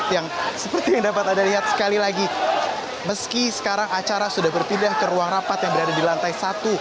yang seperti yang dapat anda lihat sekali lagi meski sekarang acara sudah berpindah ke ruang rapat yang berada di lantai satu